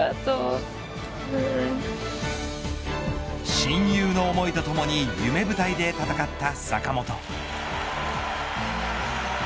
親友の思いとともに夢舞台で戦った坂本。